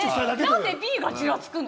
なんでＢがちらつくの？